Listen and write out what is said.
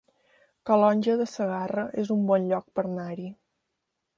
Calonge de Segarra es un bon lloc per anar-hi